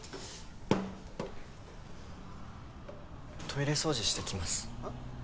トイレ掃除してきます。